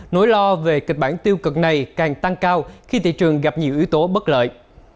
nỗi lo về kịch bản tiêu cực này càng tăng cao khi thị trường gặp nhiều yếu tố bất lợi